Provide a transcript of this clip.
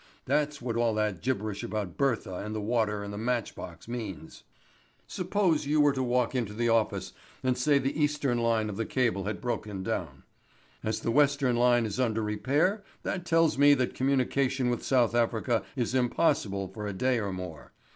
That's what all that gibberish about Bertha and the water and the matchbox means. "Suppose you were to walk into the office and say the Eastern line of cable had broken down. As the Western line is under repair that tells me that communication with South Africa is impossible for a day or more.